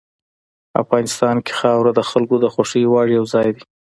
افغانستان کې خاوره د خلکو د خوښې وړ یو ځای دی.